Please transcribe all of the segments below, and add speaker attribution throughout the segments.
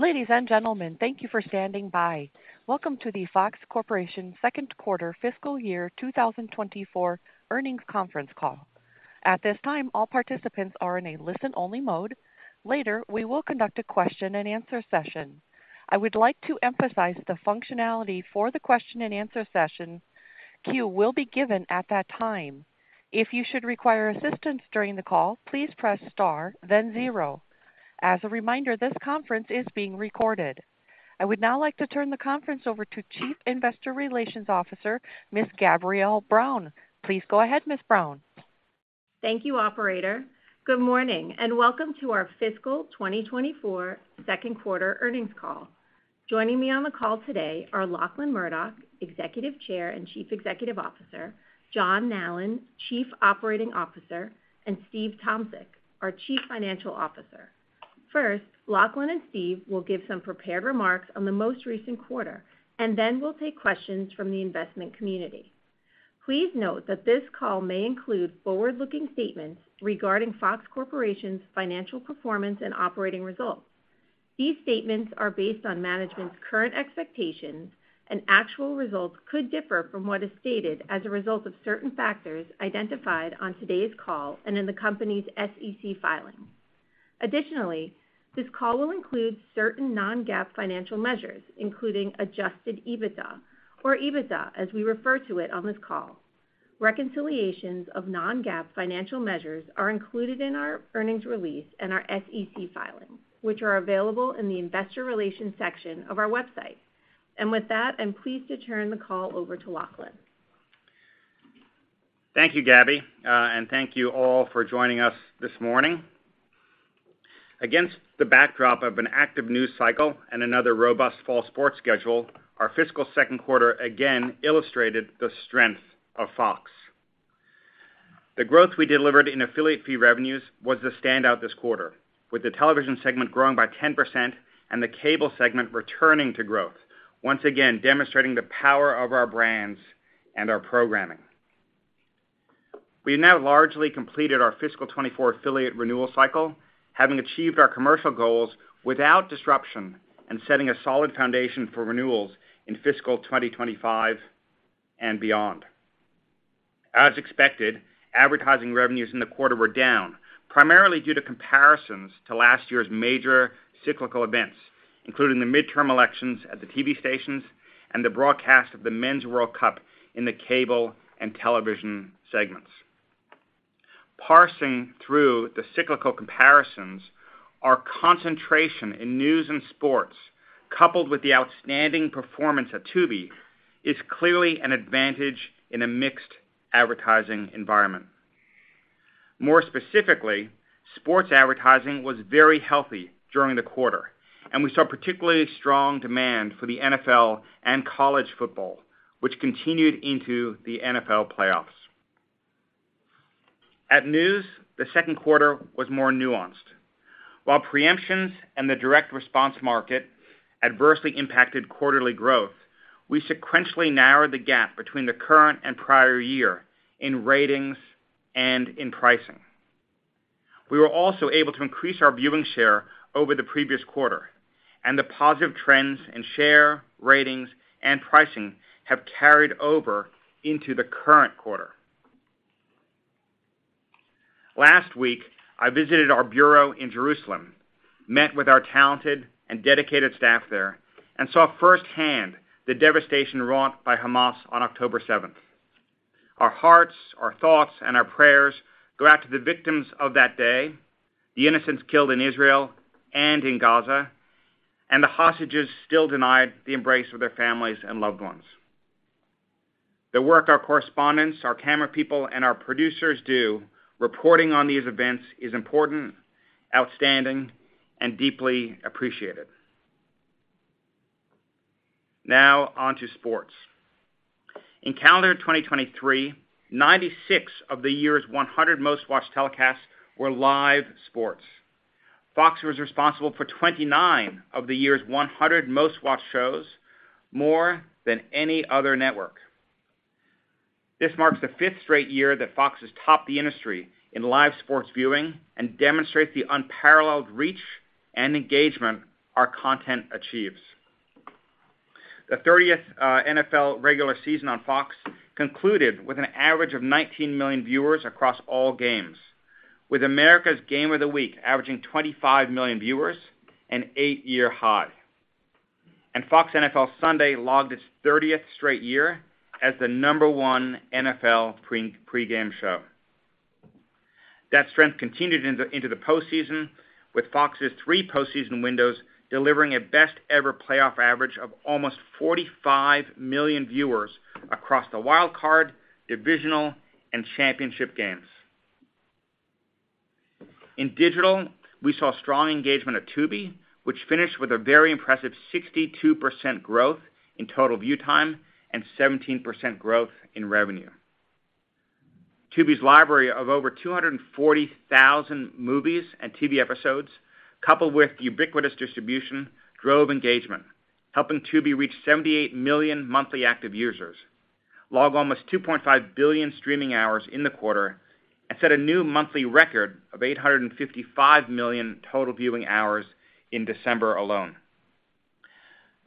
Speaker 1: Ladies and gentlemen, thank you for standing by. Welcome to the Fox Corporation Second Quarter Fiscal Year 2024 Earnings Conference Call. At this time, all participants are in a listen-only mode. Later, we will conduct a question-and-answer session. I would like to emphasize the functionality for the question-and-answer session; cue will be given at that time. If you should require assistance during the call, please press star, then zero. As a reminder, this conference is being recorded. I would now like to turn the conference over to Chief Investor Relations Officer, Ms. Gabrielle Brown. Please go ahead, Ms. Brown.
Speaker 2: Thank you, operator. Good morning, and welcome to our fiscal 2024 second quarter earnings call. Joining me on the call today are Lachlan Murdoch, Executive Chair and Chief Executive Officer, John Nallen, Chief Operating Officer, and Steve Tomsic, our Chief Financial Officer. First, Lachlan and Steve will give some prepared remarks on the most recent quarter, and then we'll take questions from the investment community. Please note that this call may include forward-looking statements regarding Fox Corporation's financial performance and operating results. These statements are based on management's current expectations, and actual results could differ from what is stated as a result of certain factors identified on today's call and in the company's SEC filing. Additionally, this call will include certain non-GAAP financial measures, including adjusted EBITDA or EBITDA, as we refer to it on this call. Reconciliations of non-GAAP financial measures are included in our earnings release and our SEC filing, which are available in the Investor Relations section of our website. With that, I'm pleased to turn the call over to Lachlan.
Speaker 3: Thank you, Gabby, and thank you all for joining us this morning. Against the backdrop of an active news cycle and another robust fall sports schedule, our fiscal second quarter again illustrated the strength of Fox. The growth we delivered in affiliate fee revenues was the standout this quarter, with the television segment growing by 10% and the cable segment returning to growth, once again demonstrating the power of our brands and our programming. We have now largely completed our fiscal 2024 affiliate renewal cycle, having achieved our commercial goals without disruption and setting a solid foundation for renewals in fiscal 2025 and beyond. As expected, advertising revenues in the quarter were down, primarily due to comparisons to last year's major cyclical events, including the midterm elections at the TV stations and the broadcast of the Men's World Cup in the cable and television segments. Parsing through the cyclical comparisons, our concentration in news and sports, coupled with the outstanding performance of Tubi, is clearly an advantage in a mixed advertising environment. More specifically, sports advertising was very healthy during the quarter, and we saw particularly strong demand for the NFL and college football, which continued into the NFL playoffs. At news, the second quarter was more nuanced. While preemptions and the direct response market adversely impacted quarterly growth, we sequentially narrowed the gap between the current and prior year in ratings and in pricing. We were also able to increase our viewing share over the previous quarter, and the positive trends in share, ratings, and pricing have carried over into the current quarter. Last week, I visited our bureau in Jerusalem, met with our talented and dedicated staff there, and saw firsthand the devastation wrought by Hamas on October 7th. Our hearts, our thoughts, and our prayers go out to the victims of that day, the innocents killed in Israel and in Gaza, and the hostages still denied the embrace of their families and loved ones. The work our correspondents, our camera people, and our producers do, reporting on these events, is important, outstanding, and deeply appreciated. Now on to sports. In calendar 2023, 96 of the year's 100 most-watched telecasts were live sports. Fox was responsible for 29 of the year's 100 most-watched shows, more than any other network. This marks the 5th straight year that Fox has topped the industry in live sports viewing and demonstrates the unparalleled reach and engagement our content achieves. The 30th NFL regular season on Fox concluded with an average of 19 million viewers across all games, with America's Game of the Week averaging 25 million viewers, an eight year high. Fox NFL Sunday logged its 30th straight year as the number one NFL pregame show. That strength continued into the postseason, with Fox's three postseason windows delivering a best-ever playoff average of almost 45 million viewers across the Wild Card, divisional, and championship games. In digital, we saw strong engagement at Tubi, which finished with a very impressive 62% growth in total view time and 17% growth in revenue. Tubi's library of over 240,000 movies and TV episodes, coupled with ubiquitous distribution, drove engagement, helping Tubi reach 78 million monthly active users.... Logged almost 2.5 billion streaming hours in the quarter, and set a new monthly record of 855 million total viewing hours in December alone.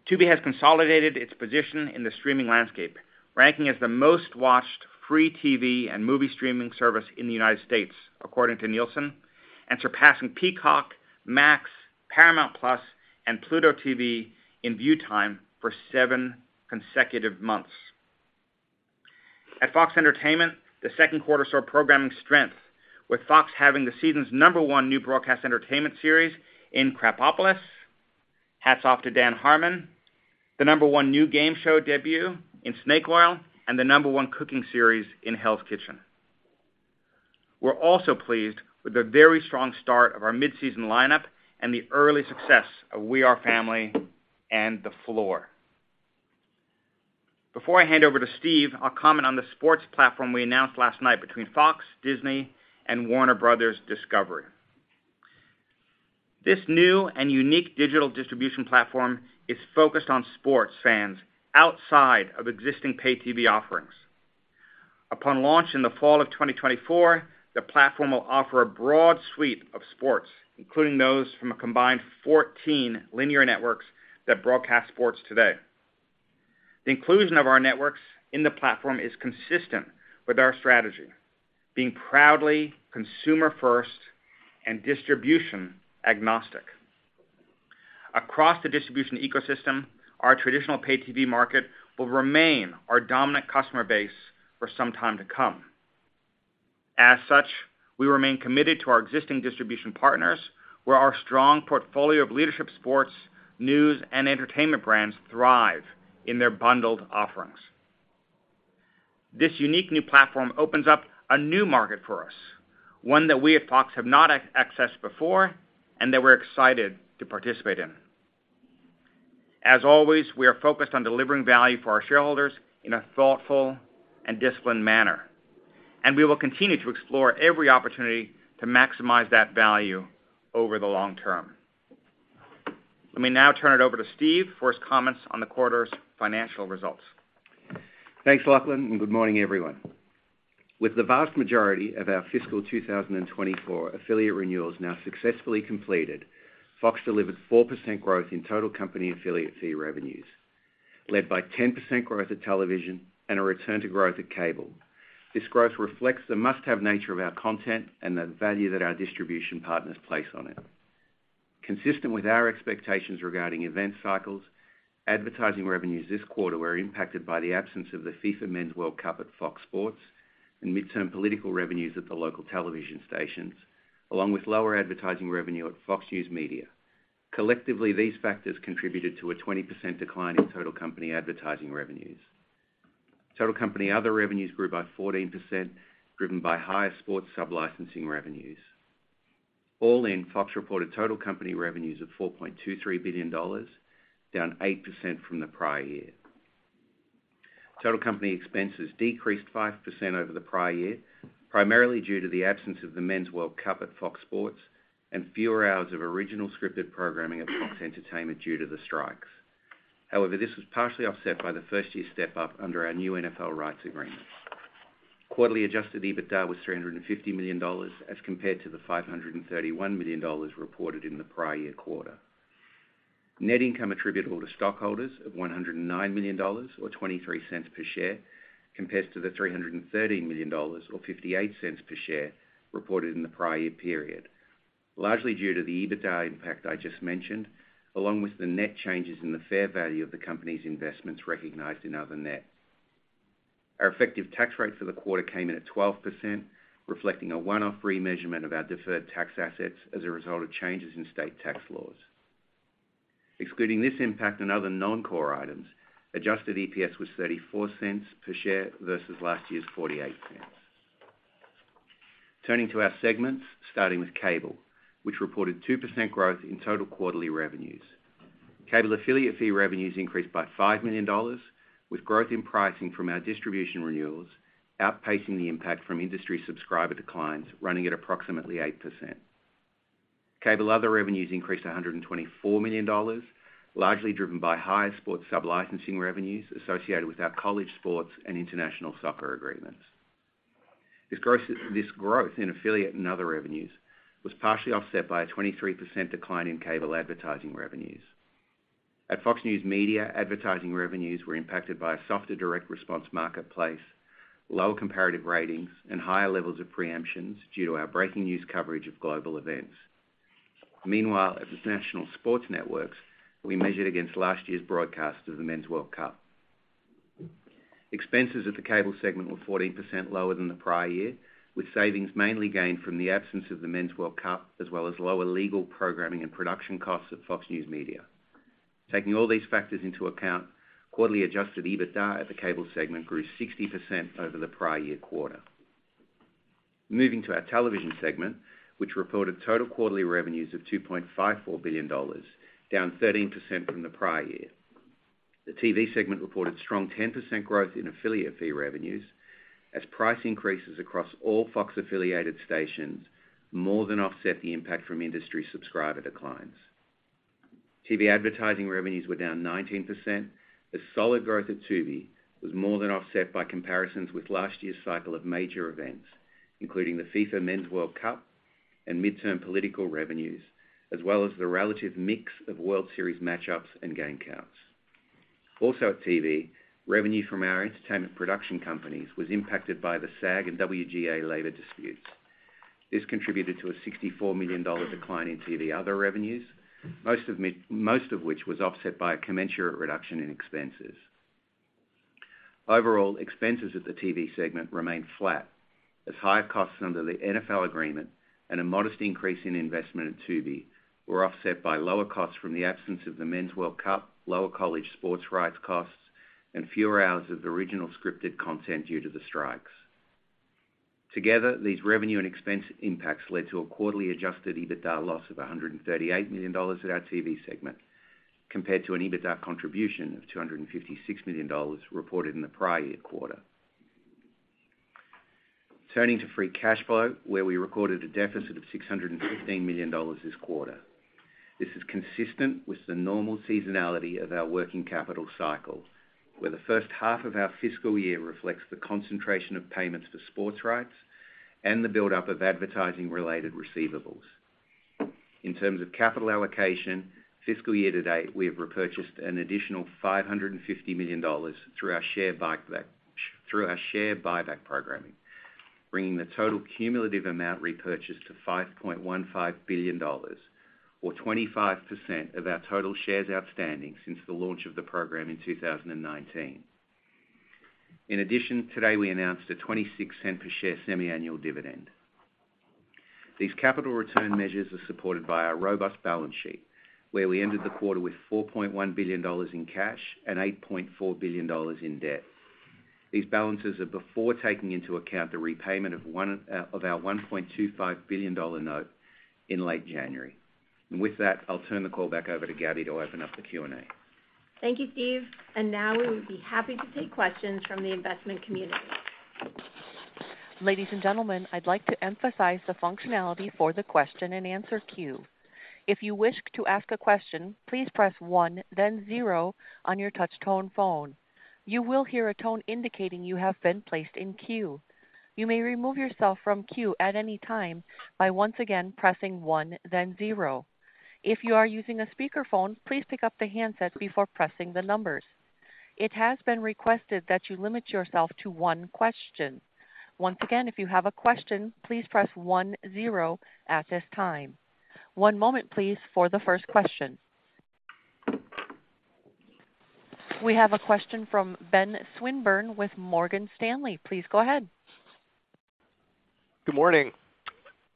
Speaker 3: Tubi has consolidated its position in the streaming landscape, ranking as the most-watched free TV and movie streaming service in the United States, according to Nielsen, and surpassing Peacock, Max, Paramount+, and Pluto TV in view time for seven consecutive months. At Fox Entertainment, the second quarter saw programming strength, with Fox having the season's number one new broadcast entertainment series in Krapopolis. Hats off to Dan Harmon. The number one new game show debut in Snake Oil, and the number one cooking series in Hell's Kitchen. We're also pleased with the very strong start of our mid-season lineup and the early success of We Are Family and The Floor.Before I hand over to Steve, I'll comment on the sports platform we announced last night between Fox, Disney, and Warner Bros. Discovery. This new and unique digital distribution platform is focused on sports fans outside of existing pay TV offerings. Upon launch in the fall of 2024, the platform will offer a broad suite of sports, including those from a combined 14 linear networks that broadcast sports today. The inclusion of our networks in the platform is consistent with our strategy, being proudly consumer-first and distribution agnostic. Across the distribution ecosystem, our traditional pay TV market will remain our dominant customer base for some time to come. As such, we remain committed to our existing distribution partners, where our strong portfolio of leadership, sports, news, and entertainment brands thrive in their bundled offerings. This unique new platform opens up a new market for us, one that we at Fox have not accessed before and that we're excited to participate in. As always, we are focused on delivering value for our shareholders in a thoughtful and disciplined manner, and we will continue to explore every opportunity to maximize that value over the long term. Let me now turn it over to Steve for his comments on the quarter's financial results.
Speaker 4: Thanks, Lachlan, and good morning, everyone. With the vast majority of our fiscal 2024 affiliate renewals now successfully completed, Fox delivered 4% growth in total company affiliate fee revenues, led by 10% growth at television and a return to growth at Cable. This growth reflects the must-have nature of our content and the value that our distribution partners place on it. Consistent with our expectations regarding event cycles, advertising revenues this quarter were impacted by the absence of the FIFA Men's World Cup at Fox Sports and midterm political revenues at the local television stations, along with lower advertising revenue at Fox News Media. Collectively, these factors contributed to a 20% decline in total company advertising revenues. Total company other revenues grew by 14%, driven by higher sports sub-licensing revenues. All in, Fox reported total company revenues of $4.23 billion, down 8% from the prior year. Total company expenses decreased 5% over the prior year, primarily due to the absence of the Men's World Cup at Fox Sports and fewer hours of original scripted programming at Fox Entertainment due to the strikes. However, this was partially offset by the first-year step-up under our new NFL rights agreement. Quarterly Adjusted EBITDA was $350 million, as compared to the $531 million reported in the prior year quarter. Net income attributable to stockholders of $109 million, or $0.23 per share, compares to the $313 million, or $0.58 per share, reported in the prior year period. Largely due to the EBITDA impact I just mentioned, along with the net changes in the fair value of the company's investments recognized in other, net. Our effective tax rate for the quarter came in at 12%, reflecting a one-off remeasurement of our deferred tax assets as a result of changes in state tax laws. Excluding this impact and other non-core items, adjusted EPS was $0.34 per share versus last year's $0.48. Turning to our segments, starting with Cable, which reported 2% growth in total quarterly revenues. Cable affiliate fee revenues increased by $5 million, with growth in pricing from our distribution renewals outpacing the impact from industry subscriber declines, running at approximately 8%. Cable other revenues increased to $124 million, largely driven by higher sports sub-licensing revenues associated with our college sports and international soccer agreements. This growth in affiliate and other revenues was partially offset by a 23% decline in cable advertising revenues. At Fox News Media, advertising revenues were impacted by a softer direct response marketplace, lower comparative ratings, and higher levels of pre-emptions due to our breaking news coverage of global events. Meanwhile, at the National Sports Networks, we measured against last year's broadcast of the Men's World Cup. Expenses at the cable segment were 14% lower than the prior year, with savings mainly gained from the absence of the Men's World Cup, as well as lower legal, programming, and production costs at Fox News Media. Taking all these factors into account, quarterly Adjusted EBITDA at the cable segment grew 60% over the prior year quarter. Moving to our television segment, which reported total quarterly revenues of $2.54 billion, down 13% from the prior year. The TV segment reported strong 10% growth in affiliate fee revenues, as price increases across all Fox-affiliated stations more than offset the impact from industry subscriber declines. TV advertising revenues were down 19%, as solid growth at Tubi was more than offset by comparisons with last year's cycle of major events, including the FIFA Men's World Cup and midterm political revenues, as well as the relative mix of World Series matchups and game counts. Also, at TV, revenue from our entertainment production companies was impacted by the SAG and WGA labor disputes. This contributed to a $64 million decline in TV other revenues, most of which was offset by a commensurate reduction in expenses. Overall, expenses at the TV segment remained flat, as higher costs under the NFL agreement and a modest increase in investment in Tubi were offset by lower costs from the absence of the Men's World Cup, lower college sports rights costs, and fewer hours of original scripted content due to the strikes. Together, these revenue and expense impacts led to a quarterly adjusted EBITDA loss of $138 million at our TV segment, compared to an EBITDA contribution of $256 million reported in the prior year quarter. Turning to free cash flow, where we recorded a deficit of $615 million this quarter. This is consistent with the normal seasonality of our working capital cycle, where the first half of our fiscal year reflects the concentration of payments for sports rights and the buildup of advertising-related receivables. In terms of capital allocation, fiscal year to date, we have repurchased an additional $550 million through our share buyback program, bringing the total cumulative amount repurchased to $5.15 billion, or 25% of our total shares outstanding since the launch of the program in 2019. In addition, today, we announced a $0.26 per share semiannual dividend. These capital return measures are supported by our robust balance sheet, where we ended the quarter with $4.1 billion in cash and $8.4 billion in debt. These balances are before taking into account the repayment of one of our $1.25 billion note in late January. And with that, I'll turn the call back over to Gabby to open up the Q&A.
Speaker 2: Thank you, Steve. Now, we would be happy to take questions from the investment community.
Speaker 1: Ladies and gentlemen, I'd like to emphasize the functionality for the question-and-answer queue. If you wish to ask a question, please press one, then zero on your touch tone phone. You will hear a tone indicating you have been placed in queue. You may remove yourself from queue at any time by once again pressing one, then zero. If you are using a speakerphone, please pick up the handset before pressing the numbers. It has been requested that you limit yourself to one question. Once again, if you have a question, please press one-zero at this time. One moment, please, for the first question. We have a question from Ben Swinburne with Morgan Stanley. Please go ahead.
Speaker 5: Good morning.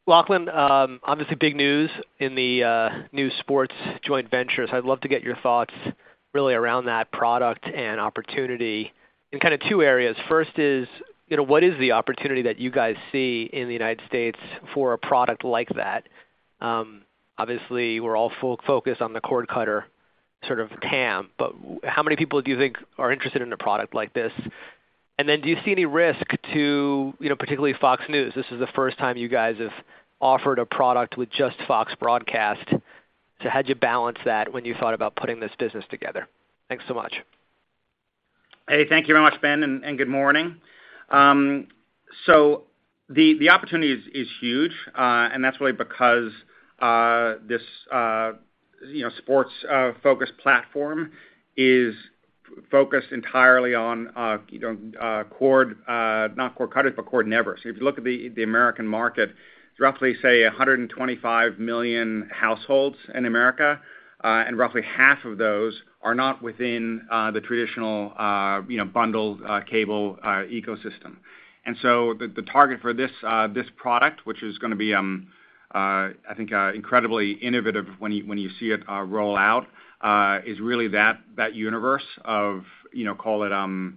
Speaker 5: Lachlan, obviously big news in the new sports joint venture, so I'd love to get your thoughts really around that product and opportunity in kind of two areas. First is, you know, what is the opportunity that you guys see in the United States for a product like that? Obviously, we're all focused on the cord cutter, sort of, TAM, but how many people do you think are interested in a product like this? And then do you see any risk to, you know, particularly Fox News? This is the first time you guys have offered a product with just Fox Broadcast. So how'd you balance that when you thought about putting this business together? Thanks so much.
Speaker 3: Hey, thank you very much, Ben, and good morning. So the opportunity is huge, and that's really because this you know sports focused platform is focused entirely on you know cord not cord cutters, but cord-nevers. If you look at the American market, there's roughly, say, 125 million households in America, and roughly half of those are not within the traditional you know bundled cable ecosystem. And so the target for this product, which is gonna be, I think, incredibly innovative when you see it roll out, is really that universe of, you know, call it,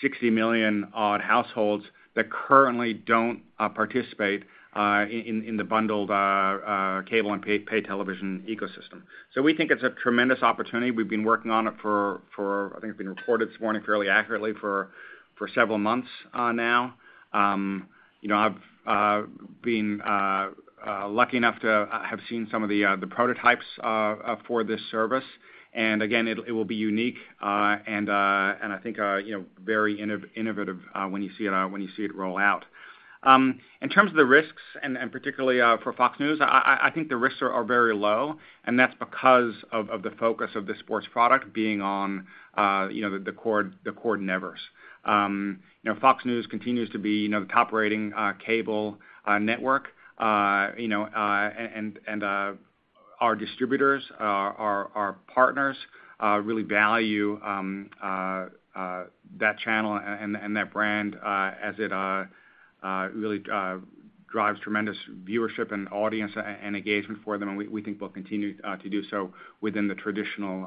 Speaker 3: 60 million odd households that currently don't participate in the bundled cable and pay television ecosystem. So we think it's a tremendous opportunity. We've been working on it for... I think it's been reported this morning fairly accurately, for several months now. You know, I've been lucky enough to have seen some of the prototypes for this service. And again, it will be unique and I think, you know, very innovative when you see it roll out. In terms of the risks and particularly for FOX News, I think the risks are very low, and that's because of the focus of the sports product being on, you know, the cord-nevers. You know, FOX News continues to be, you know, the top-rating cable network. You know, and our distributors, our partners really value that channel and that brand, as it really drives tremendous viewership and audience and engagement for them, and we think will continue to do so within the traditional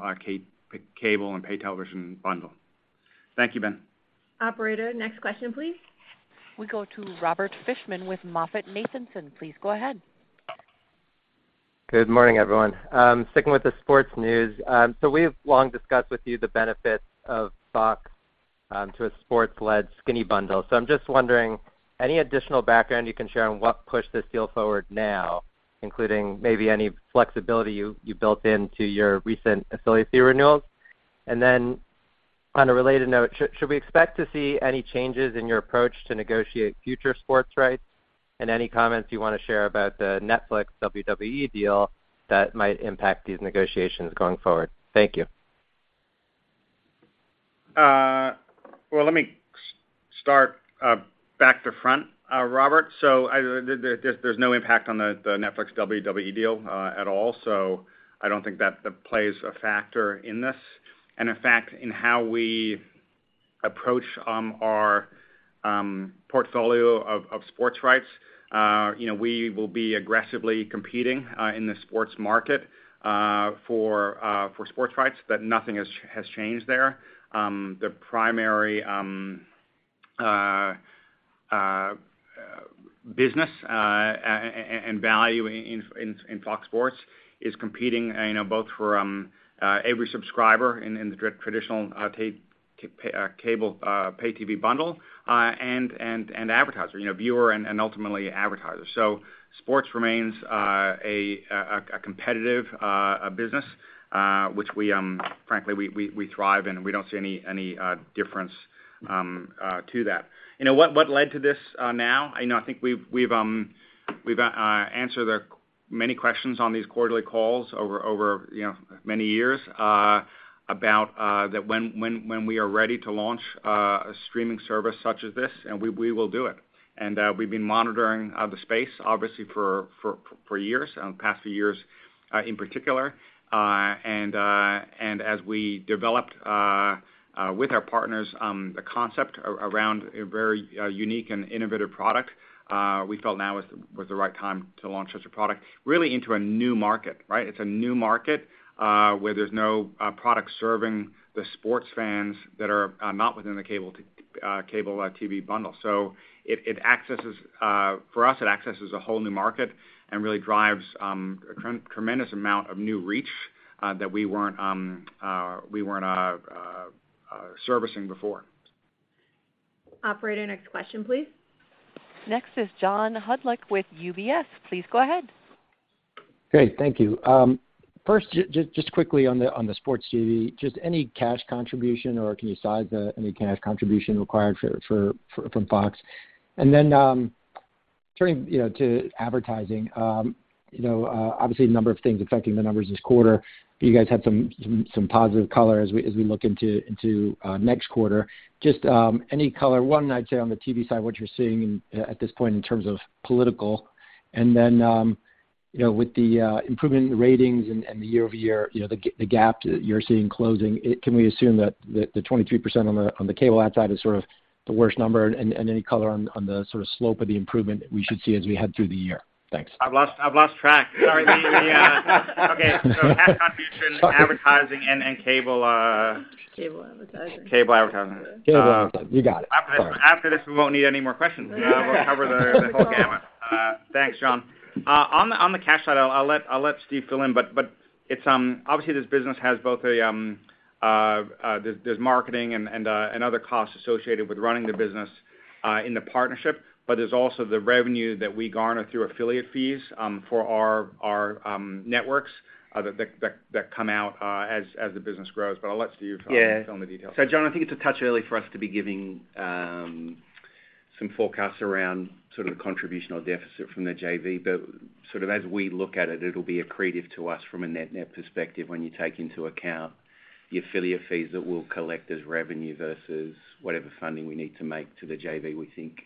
Speaker 3: cable and pay television bundle. Thank you, Ben.
Speaker 2: Operator, next question, please.
Speaker 1: We go to Robert Fishman with MoffettNathanson. Please go ahead.
Speaker 6: Good morning, everyone. Sticking with the sports news, so we've long discussed with you the benefits of Fox-... to a sports-led skinny bundle. So I'm just wondering, any additional background you can share on what pushed this deal forward now, including maybe any flexibility you built into your recent affiliate fee renewals? And then on a related note, should we expect to see any changes in your approach to negotiate future sports rights? And any comments you wanna share about the Netflix-WWE deal that might impact these negotiations going forward? Thank you.
Speaker 3: Well, let me start back to front, Robert. So there's no impact on the Netflix-WWE deal at all. So I don't think that plays a factor in this. And in fact, in how we approach our portfolio of sports rights, you know, we will be aggressively competing in the sports market for sports rights, but nothing has changed there. The primary business and value in Fox Sports is competing, you know, both from every subscriber in the traditional cable pay TV bundle, and advertisers. You know, viewer and ultimately advertisers. So sports remains a competitive business which we frankly thrive in, and we don't see any difference to that. You know, what led to this now? I know, I think we've answered the many questions on these quarterly calls over you know many years about that when we are ready to launch a streaming service such as this, and we will do it. And we've been monitoring the space, obviously, for years, the past few years, in particular. And as we developed with our partners the concept around a very unique and innovative product, we felt now was the right time to launch such a product really into a new market, right? It's a new market where there's no product serving the sports fans that are not within the cable TV bundle. So it accesses... For us, it accesses a whole new market and really drives a tremendous amount of new reach that we weren't servicing before.
Speaker 1: Operator, next question, please. Next is John Hodulik with UBS. Please go ahead.
Speaker 7: Great, thank you. First, just quickly on the sports TV, just any cash contribution, or can you size any cash contribution required for from Fox? And then, turning, you know, to advertising, you know, obviously, a number of things affecting the numbers this quarter. You guys had some positive color as we look into next quarter. Just any color, one, I'd say on the TV side, what you're seeing at this point in terms of political, and then you know, with the improvement in the ratings and the year-over-year, you know, the gap that you're seeing closing. Can we assume that the 23% on the cable ad side is sort of the worst number, and any color on the sort of slope of the improvement we should see as we head through the year? Thanks.
Speaker 3: I've lost track. Sorry... Okay, so ad contribution, advertising, and cable-
Speaker 2: Cable advertising.
Speaker 3: Cable advertising.
Speaker 7: Cable advertising. You got it. Sorry.
Speaker 3: After this, we won't need any more questions. We'll cover the whole gamut. Thanks, John. On the cash side, I'll let Steve fill in, but it's obviously this business has both marketing and other costs associated with running the business in the partnership. But there's also the revenue that we garner through affiliate fees for our networks that come out as the business grows. But I'll let Steve talk-
Speaker 4: Yeah.
Speaker 3: Fill in the details.
Speaker 4: So John, I think it's a touch early for us to be giving some forecasts around sort of the contribution or deficit from the JV. But sort of as we look at it, it'll be accretive to us from a net net perspective when you take into account the affiliate fees that we'll collect as revenue versus whatever funding we need to make to the JV. We think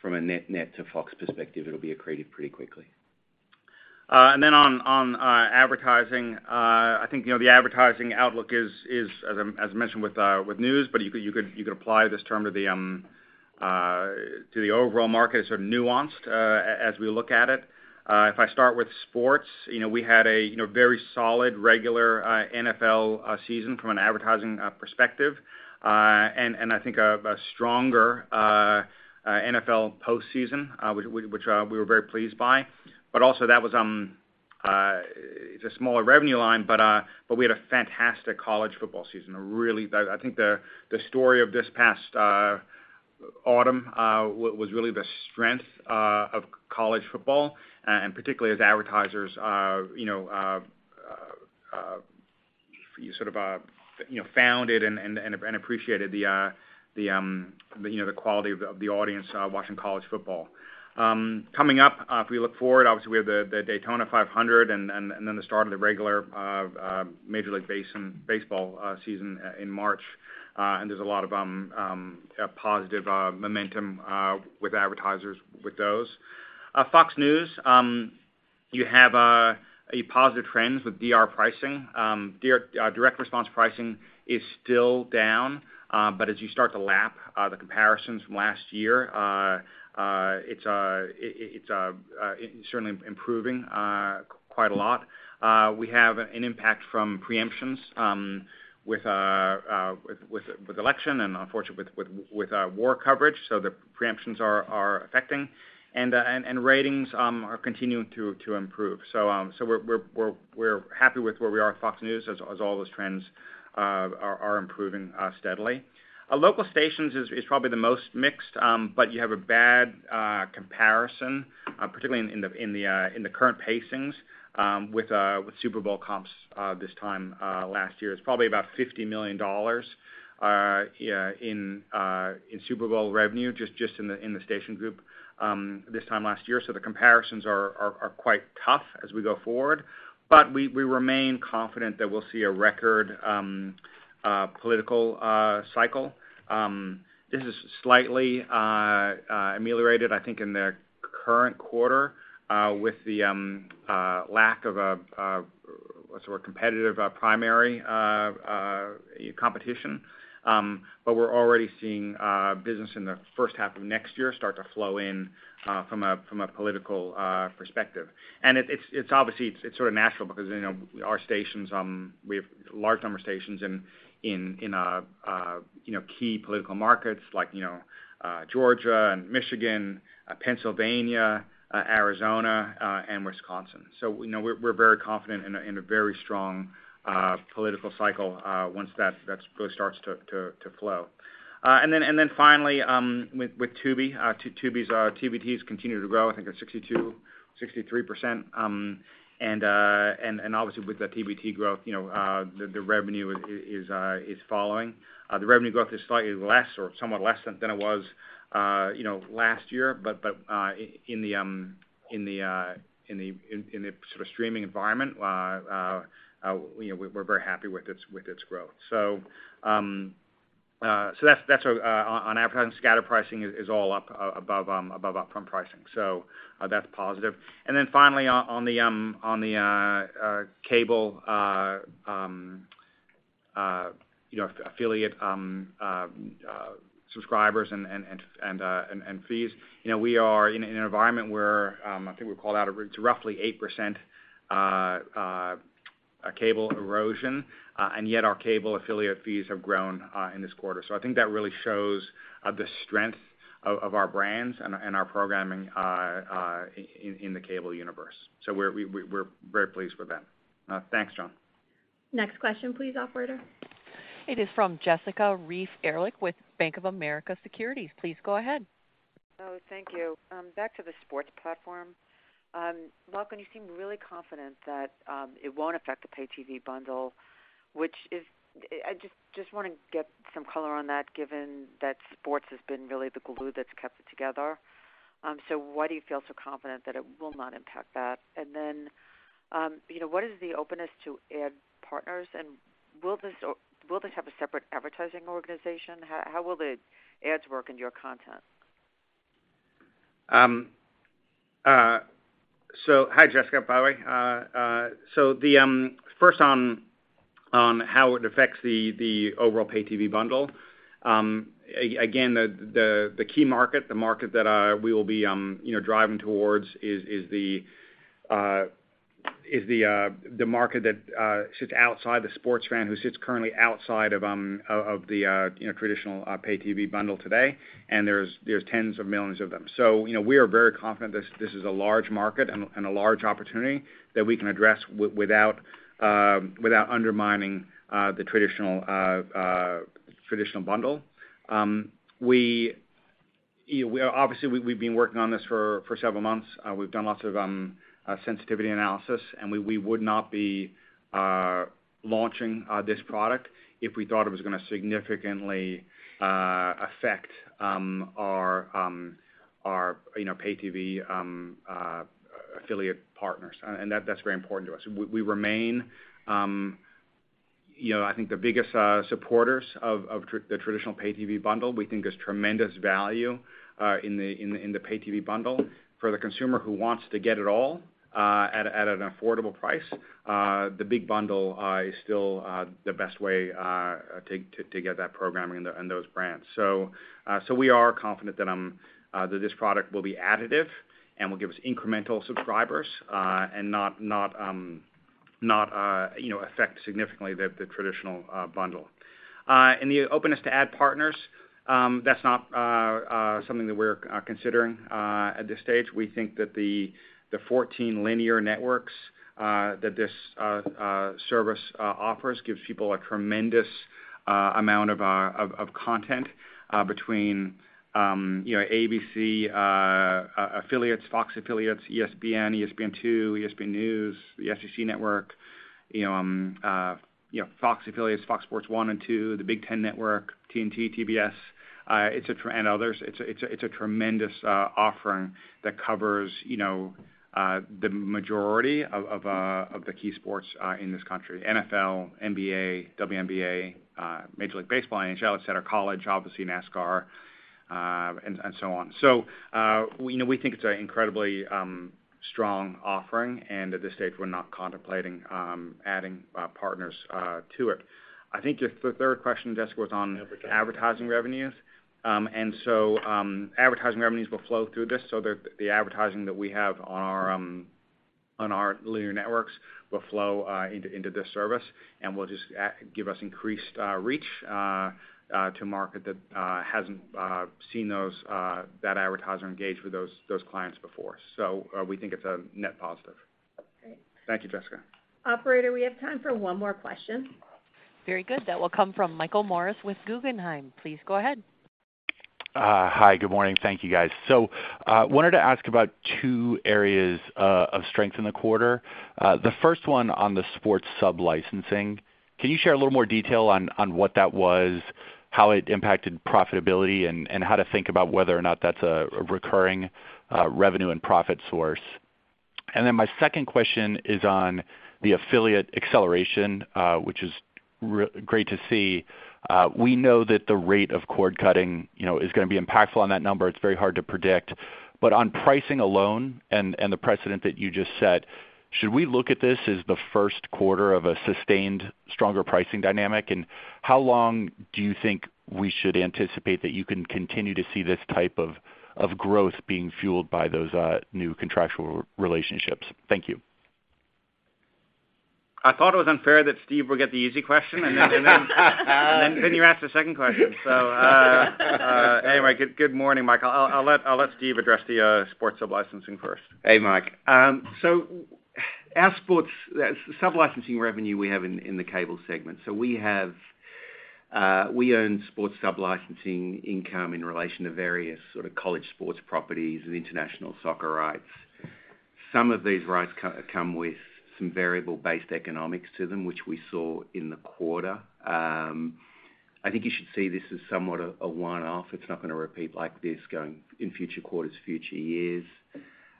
Speaker 4: from a net net to Fox perspective, it'll be accretive pretty quickly.
Speaker 3: And then on advertising, I think, you know, the advertising outlook is, as mentioned with news, but you could apply this term to the overall market as sort of nuanced, as we look at it. If I start with sports, you know, we had a very solid regular NFL season from an advertising perspective. And I think a stronger NFL postseason, which we were very pleased by. But also that was, it's a smaller revenue line, but we had a fantastic college football season, a really... I think the story of this past autumn was really the strength of college football and particularly as advertisers you know sort of you know founded and appreciated the you know the quality of the audience watching college football. Coming up if we look forward obviously we have the Daytona 500 and then the start of the regular Major League Baseball season in March. And there's a lot of positive momentum with advertisers with those. Fox News you have positive trends with DR pricing. Direct response pricing is still down, but as you start to lap the comparisons from last year, it's certainly improving quite a lot. We have an impact from preemptions with election and unfortunately with war coverage. So the preemptions are affecting, and ratings are continuing to improve. So we're happy with where we are at Fox News, as all those trends are improving steadily. Our local stations is probably the most mixed, but you have a bad comparison, particularly in the current pacings, with Super Bowl comps this time last year. It's probably about $50 million in Super Bowl revenue, just in the station group, this time last year. So the comparisons are quite tough as we go forward, but we remain confident that we'll see a record political cycle. This is slightly ameliorated, I think, in the current quarter, with the lack of a sort of competitive primary competition. But we're already seeing business in the first half of next year start to flow in from a political perspective. It's obviously sort of natural because, you know, our stations, we have a large number of stations in, you know, key political markets like, you know, Georgia and Michigan, Pennsylvania, Arizona, and Wisconsin. So, you know, we're very confident in a very strong political cycle once that's really starts to flow. And then finally, with Tubi, Tubi's TVT has continued to grow. I think it's 62%-63%. And obviously, with the TVT growth, you know, the revenue is following. The revenue growth is slightly less or somewhat less than it was last year. In the sort of streaming environment, you know, we're very happy with its growth. So that's on advertising. Scatter pricing is all up above upfront pricing. So that's positive. And then finally, on the cable affiliate subscribers and fees, you know, we are in an environment where I think we called out it's roughly 8% cable erosion, and yet our cable affiliate fees have grown in this quarter. So I think that really shows the strength of our brands and our programming in the cable universe. So we're very pleased with that. Thanks, John.
Speaker 2: Next question, please, operator.
Speaker 1: It is from Jessica Reif Ehrlich with Bank of America Securities. Please go ahead.
Speaker 8: Oh, thank you. Back to the sports platform. Lachlan, you seem really confident that it won't affect the pay TV bundle, which is... I just wanna get some color on that, given that sports has been really the glue that's kept it together. So why do you feel so confident that it will not impact that? And then, you know, what is the openness to ad partners, and will this, or will this have a separate advertising organization? How will the ads work in your content?
Speaker 3: Hi, Jessica, by the way. First on how it affects the overall pay TV bundle. Again, the key market, the market that we will be, you know, driving towards is the market that sits outside the sports fan, who sits currently outside of the, you know, traditional bundle. We, you know, obviously, we've been working on this for several months. We've done lots of sensitivity analysis, and we would not be launching this product if we thought it was gonna significantly affect our, you know, pay TV affiliate partners. And that, that's very important to us. We remain, you know, I think the biggest supporters of the traditional pay TV bundle. We think there's tremendous value in the pay TV bundle. For the consumer who wants to get it all at an affordable price, the big bundle is still the best way to get that programming and those brands. So, so we are confident that, that this product will be additive and will give us incremental subscribers, and not, not, not, you know, affect significantly the, the traditional, bundle. And the openness to add partners, that's not, something that we're, considering, at this stage. We think that the, the 14 linear networks, that this, service, offers gives people a tremendous, amount of, of, of content, between, you know, ABC affiliates, Fox affiliates, ESPN, ESPN2, ESPNEWS, the SEC Network, you know, you know, Fox affiliates, Fox Sports 1 and 2, the Big Ten Network, TNT, TBS, it's a... and others. It's a tremendous offering that covers, you know, the majority of the key sports in this country: NFL, NBA, WNBA, Major League Baseball, NHL, et cetera, college, obviously NASCAR, and so on. So, you know, we think it's an incredibly strong offering, and at this stage, we're not contemplating adding partners to it. I think your, the third question, Jessica, was on advertising revenues. And so, advertising revenues will flow through this, so the advertising that we have on our linear networks will flow into this service, and will just give us increased reach to market that hasn't seen those that advertiser engage with those clients before. We think it's a net positive.
Speaker 8: Great.
Speaker 3: Thank you, Jessica.
Speaker 2: Operator, we have time for one more question.
Speaker 1: Very good. That will come from Michael Morris with Guggenheim. Please go ahead.
Speaker 9: Hi, good morning. Thank you, guys. So, wanted to ask about two areas of strength in the quarter. The first one on the sports sub-licensing. Can you share a little more detail on what that was, how it impacted profitability, and how to think about whether or not that's a recurring revenue and profit source? And then my second question is on the affiliate acceleration, which is really great to see. We know that the rate of cord-cutting, you know, is gonna be impactful on that number. It's very hard to predict. But on pricing alone, and the precedent that you just set, should we look at this as the first quarter of a sustained stronger pricing dynamic? How long do you think we should anticipate that you can continue to see this type of growth being fueled by those new contractual relationships? Thank you.
Speaker 3: I thought it was unfair that Steve would get the easy question, and then you asked a second question. So, anyway, good morning, Michael. I'll let Steve address the sports sub-licensing first.
Speaker 4: Hey, Mike. So our sports sub-licensing revenue we have in, in the cable segment. So we have... We own sports sub-licensing income in relation to various sort of college sports properties and international soccer rights. Some of these rights come with some variable-based economics to them, which we saw in the quarter. I think you should see this as somewhat of a one-off. It's not gonna repeat like this going in future quarters, future years.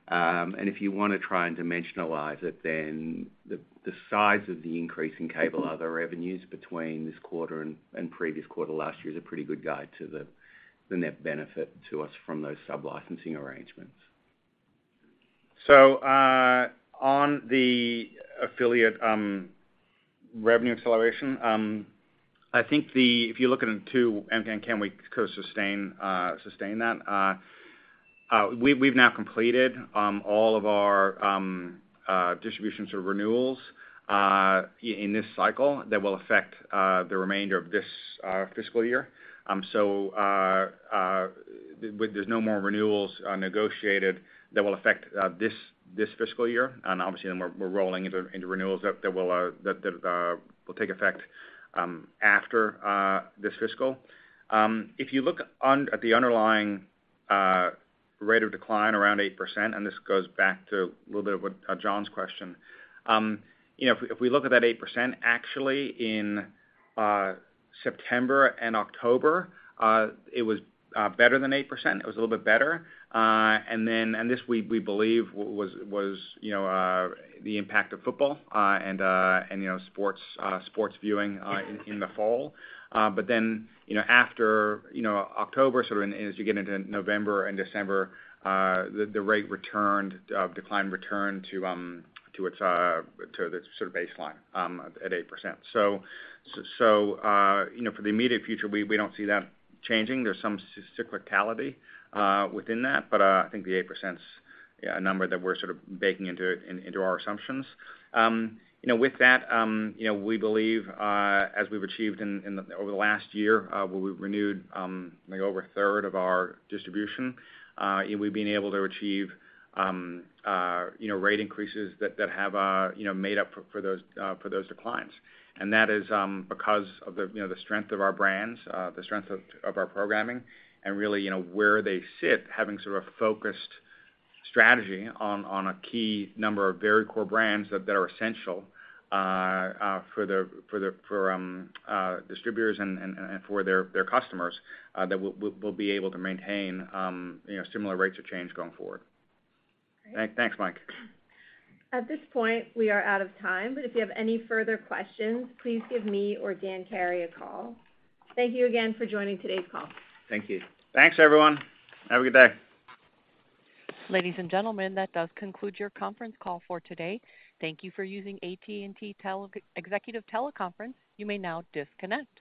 Speaker 4: And if you wanna try and dimensionalize it, then the, the size of the increase in cable other revenues between this quarter and, and previous quarter last year is a pretty good guide to the, the net benefit to us from those sub-licensing arrangements.
Speaker 3: So, on the affiliate revenue acceleration, I think if you look at it in two, and, and can we sustain that? We've now completed all of our distributions or renewals in this cycle that will affect the remainder of this fiscal year. So, there's no more renewals negotiated that will affect this fiscal year, and obviously, then we're rolling into renewals that will take effect after this fiscal. If you look at the underlying rate of decline around 8%, and this goes back to a little bit of what John's question. You know, if we look at that 8%, actually, in September and October, it was better than 8%. It was a little bit better. And then – and this we believe was, you know, the impact of football, and, you know, sports, sports viewing, in the fall. But then, you know, after, you know, October, sort of as you get into November and December, the rate decline returned to its sort of baseline at 8%. So, you know, for the immediate future, we don't see that changing. There's some cyclicality within that, but I think the 8%'s, yeah, a number that we're sort of baking into our assumptions. You know, with that, you know, we believe, as we've achieved over the last year, where we've renewed over a third of our distribution, we've been able to achieve, you know, rate increases that have, you know, made up for those declines. And that is because of the, you know, the strength of our brands, the strength of our programming, and really, you know, where they sit, having sort of a focused strategy on a key number of very core brands that are essential for the distributors and for their customers, that we'll be able to maintain, you know, similar rates of change going forward.
Speaker 2: Great.
Speaker 3: Thanks, Mike.
Speaker 2: At this point, we are out of time, but if you have any further questions, please give me or Dan Carey a call. Thank you again for joining today's call.
Speaker 4: Thank you.
Speaker 3: Thanks, everyone. Have a good day.
Speaker 1: Ladies and gentlemen, that does conclude your conference call for today. Thank you for using AT&T Executive Teleconference. You may now disconnect.